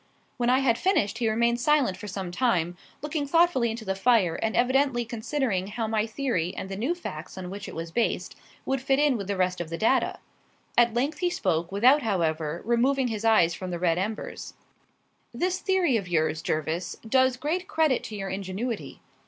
When I had finished, he remained silent for some time, looking thoughtfully into the fire and evidently considering how my theory and the new facts on which it was based would fit in with the rest of the data. At length he spoke, without, however, removing his eyes from the red embers "This theory of yours, Jervis, does great credit to your ingenuity.